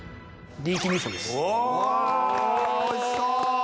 おいしそう！